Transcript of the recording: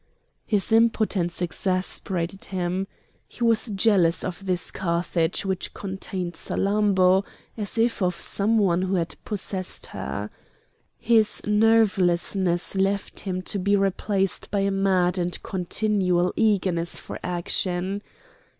His impotence exasperated him. He was jealous of this Carthage which contained Salammbô, as if of some one who had possessed her. His nervelessness left him to be replaced by a mad and continual eagerness for action.